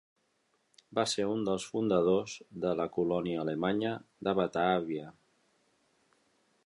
Va ser un dels fundadors de la colònia alemanya de Batàvia.